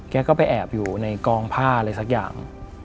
แกก็ไปแอบอยู่ในกองผ้าอะไรสักอย่าง